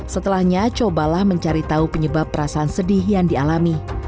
setelahnya cobalah mencari tahu penyebab perasaan sedih yang dialami